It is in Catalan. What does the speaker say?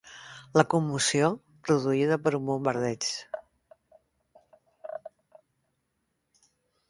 La commoció produïda per un bombardeig.